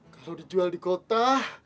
kalau dijual di kota